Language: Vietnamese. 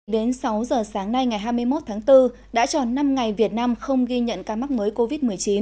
đến sáu giờ sáng nay ngày hai mươi một tháng bốn đã tròn năm ngày việt nam không ghi nhận ca mắc mới covid một mươi chín